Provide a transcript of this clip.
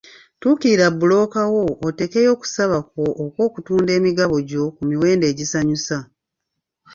Tuukirira bbulooka wo, oteekeyo okusaba kwo okw'okutunda emigabo gyo ku miwendo egikusanyusa.